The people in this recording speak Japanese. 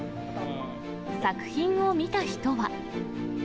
作品を見た人は。